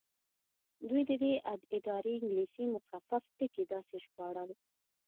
دوی د دې ادارې انګلیسي مخفف ټکي داسې ژباړل.